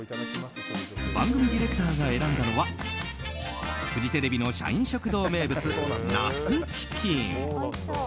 番組ディレクターが選んだのはフジテレビ社員食堂名物茄子チキン。